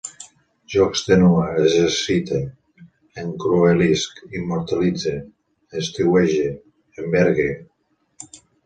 Jo extenue, exercite, encruelisc, immortalitze, estiuege, envergue